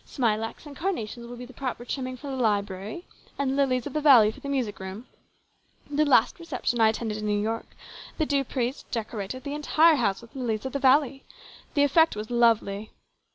Smilax and carnations will be the proper trimming for the library, and lilies of the valley for the music room. The last reception I attended in New York, the Dupreys decorated the entire house with lilies of the valley. The effect was lovely."